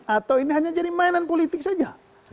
atau ini hanya jadi mainan politik saja